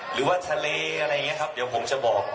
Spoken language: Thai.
หรือว่าทะเลอะไรอย่างนี้ครับเดี๋ยวผมจะบอก